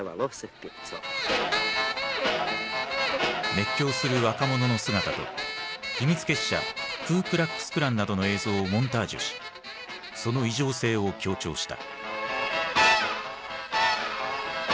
熱狂する若者の姿と秘密結社クー・クラックス・クランなどの映像をモンタージュしその異常性を強調した。